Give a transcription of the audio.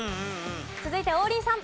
続いて王林さん。